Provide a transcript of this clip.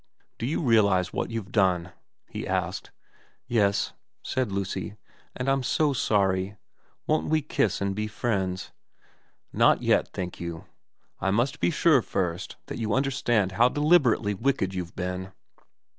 * Do you realise what you've done ?' he asked. ' Yes,' said Lucy. ' And I'm so sorry. Won't we kiss and be friends ?'' Not yet, thank you. I must be sure first that you understand how deliberately wicked you've been.'